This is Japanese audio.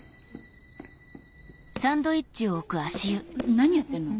何やってんの？